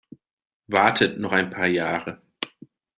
Wartet noch ein paar Jahre!